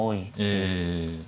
ええ。